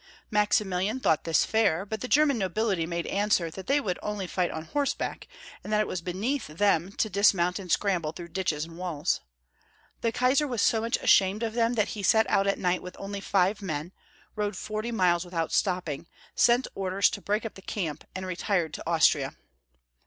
Maximilian thought this fair, but the German nobility made answer that they would only fight on horseback, and that it was beneath them to dismount and scramble through ditches and walls. The Kaisar was so much ashamed of them that he set out at night with only five men, rode forty miles without stopping, sent orders to break up the camp, and re tired to Austria.